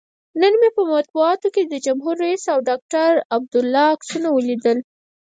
نن مې په مطبوعاتو کې د جمهور رئیس او ډاکتر عبدالله عکسونه ولیدل.